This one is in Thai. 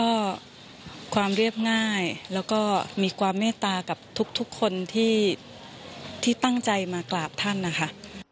ก็ความเรียบง่ายแล้วก็มีความเมตตากับทุกคนที่ตั้งใจมากราบท่านนะคะ